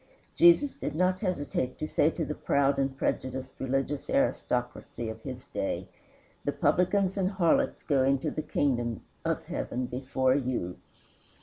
Jesus did not hesitate to say to the proud and prejudiced religious aristocracy of his day, "The publicans and harlots go into the kingdom of heaven before you."